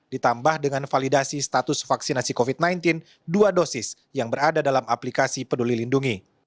ditambah dengan validasi status vaksinasi covid sembilan belas dua dosis yang berada dalam aplikasi peduli lindungi